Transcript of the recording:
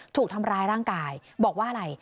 ถูกทำร้ายร่างกายบอกว่าอะไร